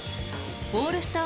オールスター